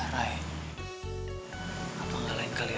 tak ada opasitas gitu om